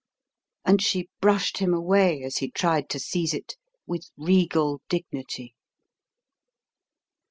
And she brushed him away, as he tried to seize it, with regal dignity.